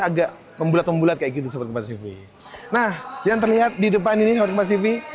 agak membulat membulat kayak gitu smart compas tv nah yang terlihat di depan ini smart compas tv